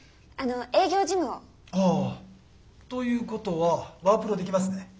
ああということはワープロできますね？